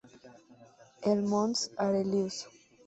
El "Mons Aurelius".